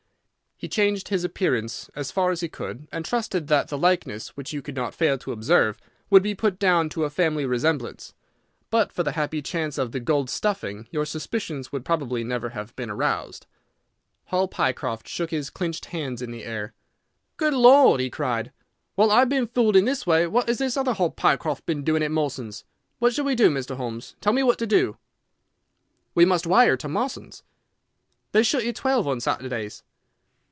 He changed his appearance as far as he could, and trusted that the likeness, which you could not fail to observe, would be put down to a family resemblance. But for the happy chance of the gold stuffing, your suspicions would probably never have been aroused." Hall Pycroft shook his clinched hands in the air. "Good Lord!" he cried, "while I have been fooled in this way, what has this other Hall Pycroft been doing at Mawson's? What should we do, Mr. Holmes? Tell me what to do." "We must wire to Mawson's." "They shut at twelve on Saturdays."